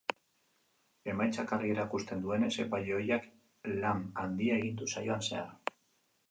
Emaitzak argi erakusten duenez, epaile ohiak lan handia egin du saioan zehar.